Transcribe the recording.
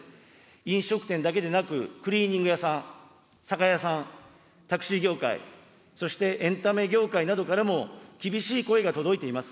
飲食店だけでなく、クリーニング屋さん、酒屋さん、タクシー業界、そしてエンタメ業界などからも、厳しい声が届いています。